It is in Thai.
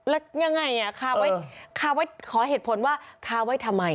แล้วยังไงขอเหตุผลว่าค้าไว้ทำไม